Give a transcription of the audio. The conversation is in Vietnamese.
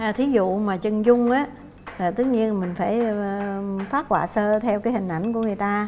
à thí dụ mà chân dung á tất nhiên là mình phải phát quả sơ theo cái hình ảnh của người ta